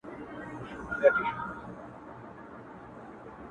زما د لاس شينكى خال يې له وخته وو ساتلى ـ